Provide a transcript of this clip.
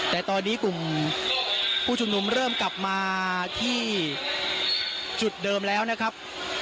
แต่ตอนนี้กลุ่มผู้ชุมนุมเริ่มกลับมาที่จุดเดิมแล้วนะครับ